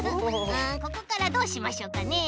あここからどうしましょうかね？